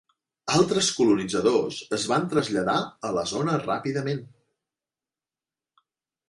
Altres colonitzadors es van traslladar a la zona ràpidament.